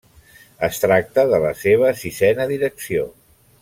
Es tracta de la seva sisena direcció.